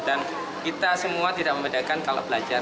dan kita semua tidak membedakan kalau belajar